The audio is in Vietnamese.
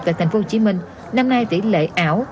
tại tp hcm năm nay tỷ lệ ảo